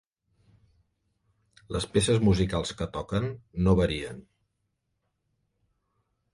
Les peces musicals que toquen no varien.